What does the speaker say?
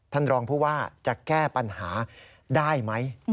ท่านรองผู้ว่าจะแก้ปัญหาได้ไหม